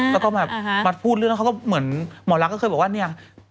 แล้วก็แบบมาพูดเรื่องแล้วเขาก็เหมือนหมอลักษ์ก็เคยบอกว่าเนี่ย